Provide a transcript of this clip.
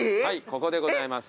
ここでございます。